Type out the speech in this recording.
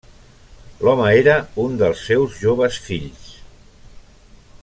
L'home era un dels seus joves fills.